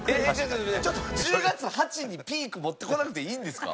１０月８にピーク持ってこなくていいんですか？